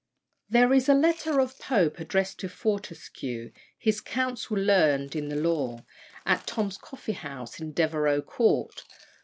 There is a letter of Pope addressed to Fortescue, his "counsel learned in the law," at Tom's coffee house, in Devereux Court.